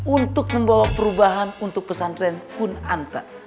untuk membawa perubahan untuk pesan tren kunanta